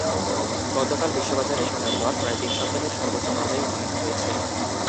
গতকাল বিশ্ববাজারে সোনার দর প্রায় তিন সপ্তাহের সর্বোচ্চ পর্যায়ে উপনীত হয়েছে।